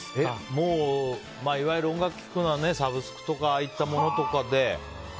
もう、いわゆる音楽を聴くのはサブスクとかああいったものとかで。